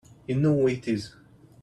You know it is!